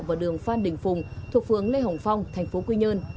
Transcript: và đường phan đình phùng thuộc phường lê hồng phong thành phố quy nhơn